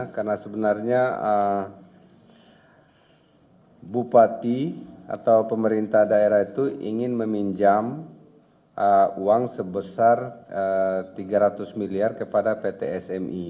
karena sebenarnya bupati atau pemerintah daerah itu ingin meminjam uang sebesar tiga ratus miliar kepada pt smi